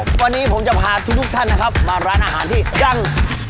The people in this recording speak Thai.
วันนี้ผมจะพาทุกท่านนะครับมาร้านอาหารที่ดัง